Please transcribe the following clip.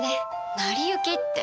成り行きって。